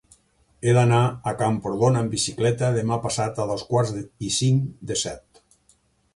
He d'anar a Camprodon amb bicicleta demà passat a dos quarts i cinc de set.